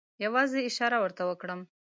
یوازې اشاره ورته وکړم.